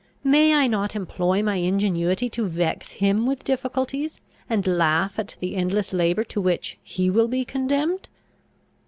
May I not employ my ingenuity to vex him with difficulties, and laugh at the endless labour to which he will be condemned?"